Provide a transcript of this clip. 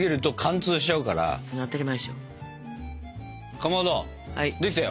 かまどできたよ。